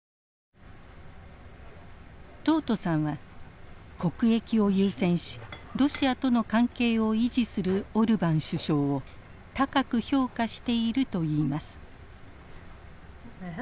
トートさんは国益を優先しロシアとの関係を維持するオルバン首相を高く評価していると言います。